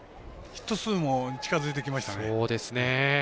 ヒット数も近づいてきましたね。